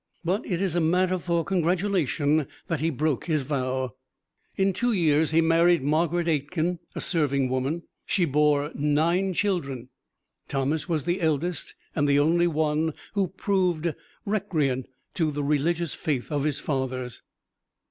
But it is a matter for congratulation that he broke his vow. In two years he married Margaret Aitken a serving woman. She bore nine children. Thomas was the eldest and the only one who proved recreant to the religious faith of his fathers.